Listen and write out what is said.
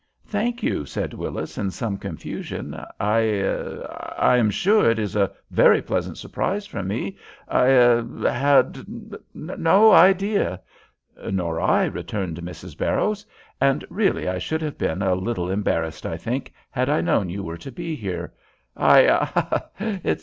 "Thank you," said Willis, in some confusion. "I er I am sure it is a very pleasant surprise for me. I er had no idea " "Nor I," returned Mrs. Barrows. "And really I should have been a little embarrassed, I think, had I known you were to be here. I ha! ha!